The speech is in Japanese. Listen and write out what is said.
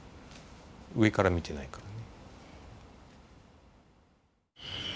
上から見てないから。